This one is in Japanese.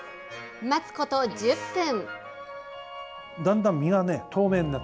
待つこと１０分。